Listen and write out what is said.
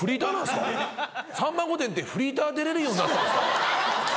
『さんま御殿‼』ってフリーター出れるようになったんですか？